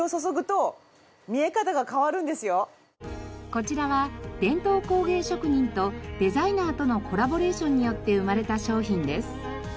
こちらは伝統工芸職人とデザイナーとのコラボレーションによって生まれた商品です。